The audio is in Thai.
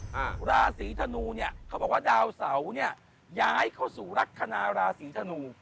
อเจมส์ราศีทนูเขาบอกว่าดาวเสานี่ย้ายเข้าสู่รักษณาราศีทนู